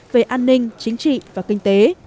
về an ninh chính trị và kinh tế